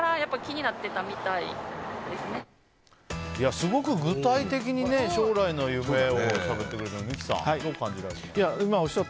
すごく具体的に、将来の夢をしゃべってくれて、三木さんどう感じられました？